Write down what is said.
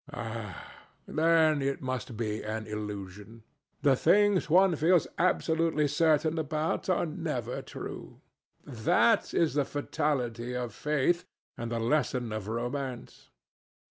"Ah! then it must be an illusion. The things one feels absolutely certain about are never true. That is the fatality of faith, and the lesson of romance.